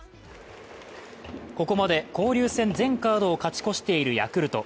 ここまで交流戦全カードを勝ち越しているヤクルト。